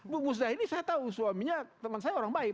bu musda ini saya tahu suaminya teman saya orang baik